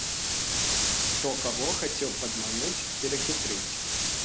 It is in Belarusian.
Хто каго хацеў падмануць, перахітрыць.